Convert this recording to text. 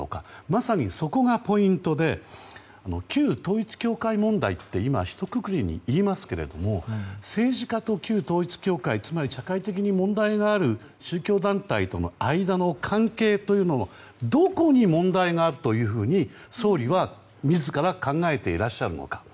まさに、そこがポイントで旧統一教会問題ってひとくくりに言いますけれども政治家と旧統一教会つまり、社会的に問題がある宗教団体との間の関係というのはどこに問題があると総理は自ら考えていらっしゃるのか。